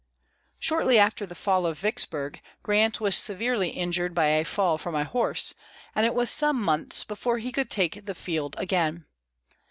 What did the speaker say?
Shortly after the fall of Vicksburg, Grant was severely injured by a fall from a horse, and it was some months before he could take the field again.